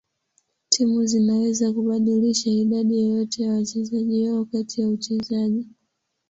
Timu zinaweza kubadilisha idadi yoyote ya wachezaji wao kati ya uchezaji.